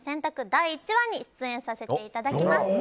第１話に出演させていただきます。